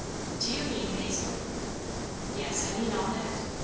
'" "Do you mean, Basil" "Yes, I mean all that.